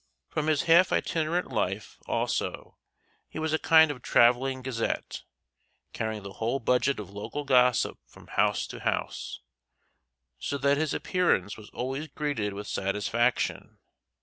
From his half itinerant life, also, he was a kind of travelling gazette, carrying the whole budget of local gossip from house to house, so that his appearance was always greeted with satisfaction.